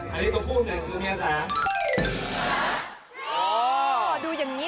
ตัวเมียมันเป็นยังไง